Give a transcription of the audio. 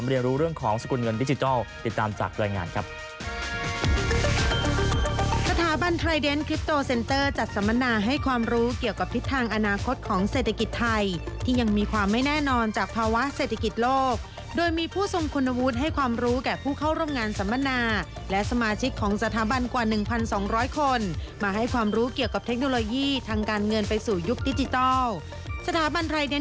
เรียนรู้เรื่องของสกุลเงินดิจิทัลติดตามจากรายงานครับ